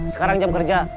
sekarang jam kerja